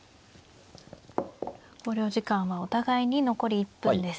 考慮時間はお互いに残り１分です。